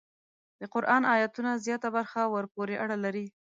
د قران ایتونو زیاته برخه ورپورې اړه لري.